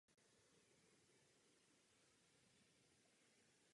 Prošel vězením ve Vratislavi a Kasselu.